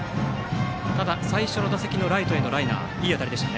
ただ、最初の打席のライトへのライナーはいい当たりでした。